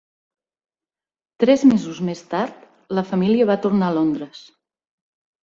Tres mesos més tard, la família va tornar a Londres.